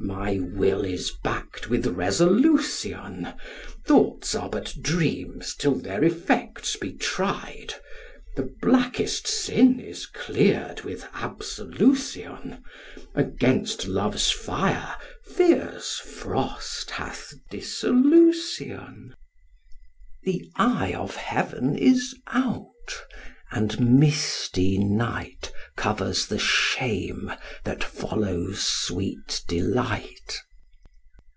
My will is back'd with resolution: Thoughts are but dreams till their effects be tried; The blackest sin is clear'd with absolution; Against love's fire fear's frost hath dissolution. The eye of heaven is out, and misty night Covers the shame that follows sweet delight.'